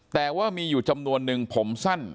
แต่ว่ามีอยู่จำนวนนึงผมสั้น